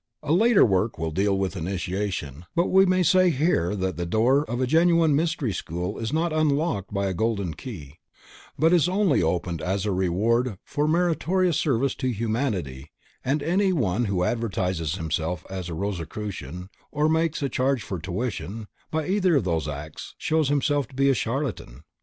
A later work will deal with initiation, but we may say here that the door of a genuine Mystery School is not unlocked by a golden key, but is only opened as a reward for meritorious service to humanity and any one who advertises himself as a Rosicrucian or makes a charge for tuition, by either of those acts shows himself to be a charlatan.